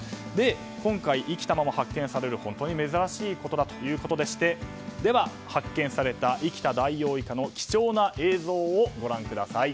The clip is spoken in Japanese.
今回、生きたまま発見されるのは本当に珍しいことだということでして発見された生きたダイオウイカの貴重な映像をご覧ください。